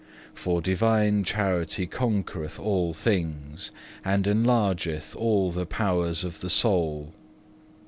For divine charity conquereth all things, and enlargeth all the powers of the soul.